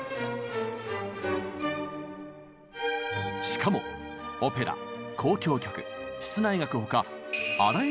しかもオペラ交響曲室内楽ほか